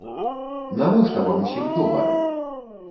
Навошта вам усім долары?